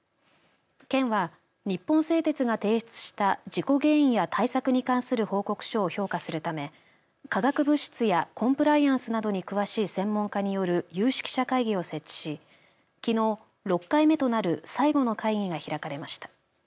県は日本製鉄が提出した事故原因や対策に関する報告書を強化するため化学物質やコンプライアンスなどに詳しい専門家による有識者会議を設置しきのう６回目となる最後の会議が開かれました。